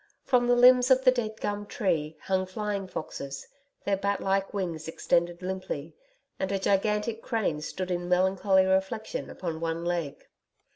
From the limbs of the dead gum tree hung flying foxes, their bat like wings extended limply, and a gigantic crane stood in melancholy reflection upon one leg.